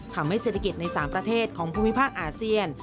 ทำให้ศิลปิศาสตร์ใน๓ประเทศของภูมิภาคอาเซียน